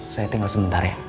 saya tinggal sebentar ya